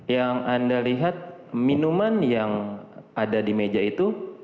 yang anda lihat minuman yang ada di meja itu